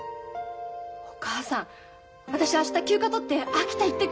お母さん私明日休暇取って秋田行ってくる。